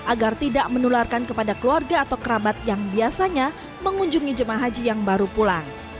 agar tidak menularkan kepada keluarga atau kerabat yang biasanya mengunjungi jemaah haji yang baru pulang